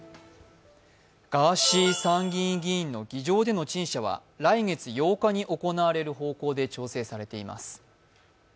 ガーシー参議院議員の議場での陳謝は来月８日に行われる方向で調整されています。